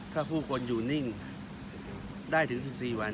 ถ้าผู้คนอยู่นิ่งได้ถึง๑๔วัน